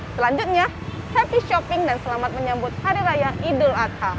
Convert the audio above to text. selanjutnya happy shopping dan selamat menyambut hari raya idul adha